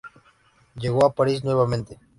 Llegó a París nuevamente.